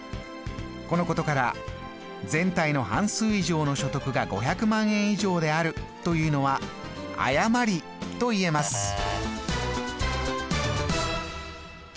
このことから「全体の半数以上の所得が５００万円以上である」というのは誤りと言えます。